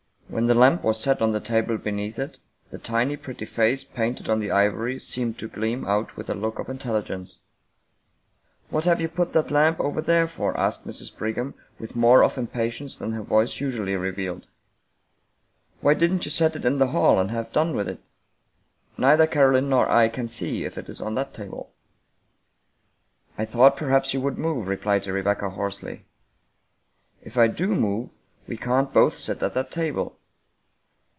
When the lamp was set on the table beneath it, the tiny pretty face painted on the ivory seemed to gleam out with a look of intelligence. " What have you put that lamp over there for? " asked Mrs. Brigham, with more of impatience than her voice usu ally revealed. " W^hy didn't you set it in the hall and have 55 American Mystery Stories done with it ? Neither Caroline nor I can see if it is on that table." " I thought perhaps you would move," replied Rebecca hoarsely. " If I do move, we can't both sit at that table.